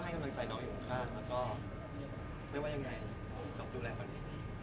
ให้กำลังใจน้องอยู่ข้างก็ไม่ว่ายังไงเอากลับดูแลก่อนหน่อย